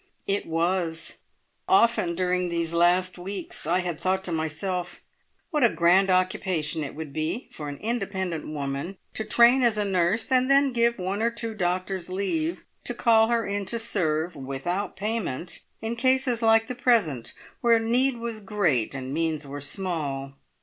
It was! Often during these last weeks I had thought to myself what a grand occupation it would be for an independent woman to train as a nurse, and then give one or two doctors leave to call her in to serve without payment in cases like the present, where need was great and means were small.